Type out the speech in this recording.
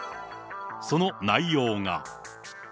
その内容が。